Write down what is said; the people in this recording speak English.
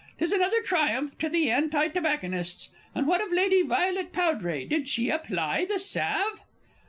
'Tis another triumph to the Anti tobacconists. And what of Lady Violet Powdray did she apply the salve?